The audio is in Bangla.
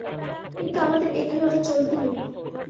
কিন্তু আমাদের এখানে ওটা চলতি নেই।